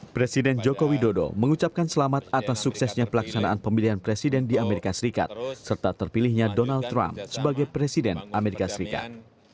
presiden joko widodo mengucapkan selamat atas suksesnya pelaksanaan pemilihan presiden di amerika serikat serta terpilihnya donald trump sebagai presiden amerika serikat